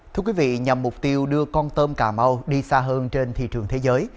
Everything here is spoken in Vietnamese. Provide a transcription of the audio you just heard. thưa quý vị nhằm mục tiêu đưa con tôm cà mau đi xa hơn trên thị trường thế giới